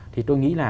thì tôi nghĩ là